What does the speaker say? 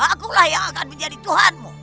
akulah yang akan menjadi tuhanmu